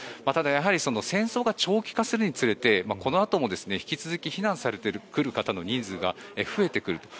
ただ、やはり戦争が長期化するにつれてこのあとも引き続き避難されてくる方の人数が増えてくる。